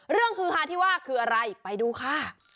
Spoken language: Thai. เรื่องหือห่าที่ว่าคืออะไรไปดูค่ะ